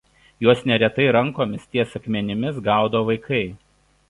Juos neretai rankomis ties akmenimis gaudo vaikai.